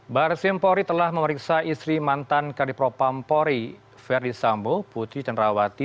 barsimpori telah memeriksa istri mantan kadipropampori ferdisambo putri cenrawati